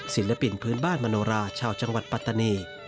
ศิลปินพื้นบ้านมโนราชาวจังหวัดปัตตานี